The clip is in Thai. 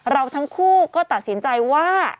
เราทั้งคู่ก็ตัดสินใจว่า